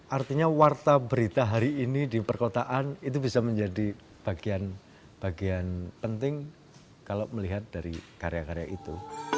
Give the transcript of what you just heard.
artinya warta berita hari ini di perkotaan itu bisa menjadi bagian penting kalau melihat dari karya karya itu